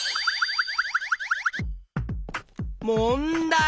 もんだい！